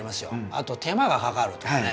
あと手間がかかるとかね。